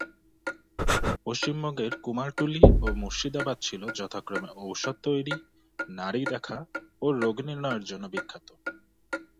পশ্চিমবঙ্গের কুমারটুলি ও মুর্শিদাবাদ ছিল যথাক্রমে ঔষধ তৈরি, নাড়ি দেখা ও রোগনির্ণয়ের জন্য বিখ্যাত।